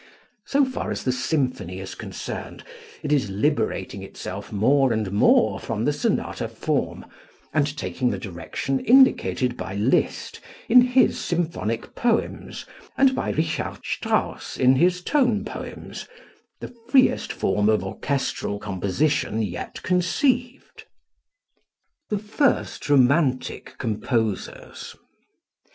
So far as the symphony is concerned, it is liberating itself more and more from the sonata form and taking the direction indicated by Liszt in his symphonic poems and by Richard Strauss in his tone poems, the freest form of orchestral composition yet conceived. The First Romantic Composers.